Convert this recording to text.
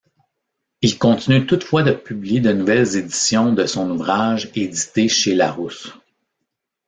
Il continue toutefois de publier de nouvelles éditions de son ouvrage édité chez Larousse.